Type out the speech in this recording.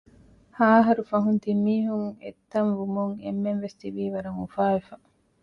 ހައަހަރު ފަހުން ތިންމީހުން އެއްތަން ވުމުން އެންމެންވެސް ތިބީ ވަރަށް އުފާވެފަ